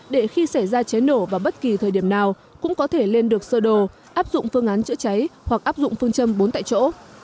để khi xảy ra cháy nổ vào bất kỳ thời điểm nào cũng có thể lên được sơ đồ áp dụng phương án chữa cháy hoặc áp dụng phương châm bốn tại chỗ